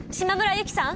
由希さん！